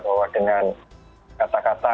bahwa dengan kata kata